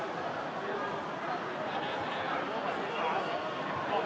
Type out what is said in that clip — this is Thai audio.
สวัสดีครับ